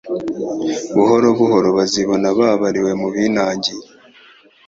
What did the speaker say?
Buhoro buhoro bazibona babariwe mu binangiye.